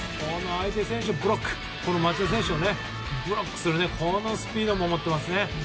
相手選手、町田選手をブロックするスピードも持っていますね。